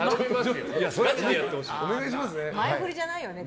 前振りじゃないよね。